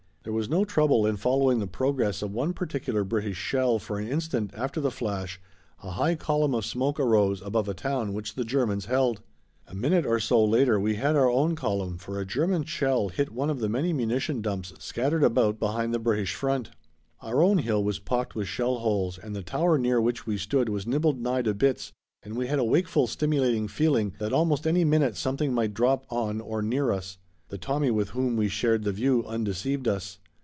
There was no trouble in following the progress of one particular British shell for an instant after the flash a high column of smoke arose above a town which the Germans held. A minute or so later we had our own column for a German shell hit one of the many munition dumps scattered about behind the British front. Our own hill was pocked with shell holes and the tower near which we stood was nibbled nigh to bits and we had a wakeful, stimulating feeling that almost any minute something might drop on or near us. The Tommy with whom we shared the view undeceived us.